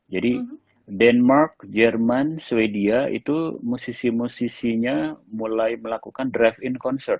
jadi denmark jerman swedia itu musisi musisinya mulai melakukan drive in concert